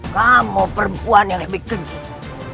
kamu perempuan yang lebih kencing